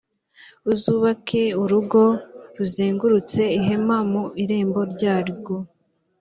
uzubake urugo a ruzengurutse ihema mu irembo ryarwo